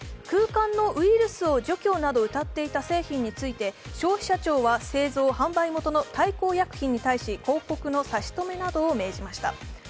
空間のウイルスを除去などをうたっていた商品について消費者庁は製造販売元の大幸薬品に対し広告の差し止めなどを命じました。